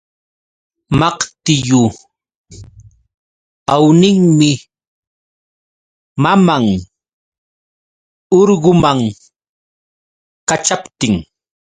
Maqtillu awninmi maman urguman kaćhaptin.